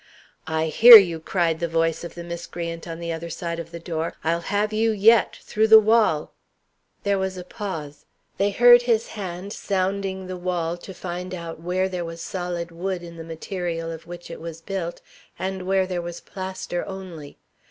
"I hear you," cried the voice of the miscreant on the other side of the door. "I'll have you yet through the wall." There was a pause. They heard his hand sounding the wall, to find out where there was solid wood in the material of which it was built, and where there was plaster only.